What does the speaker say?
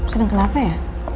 seneng kenapa ya